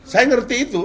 saya ngerti itu